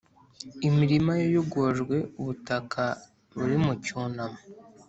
Imirima yayogojwe, ubutaka buri mu cyunamo,